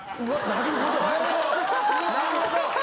なるほど。